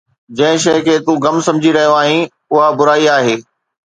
جنهن شيءِ کي تون غم سمجهي رهيو آهين، اها برائي آهي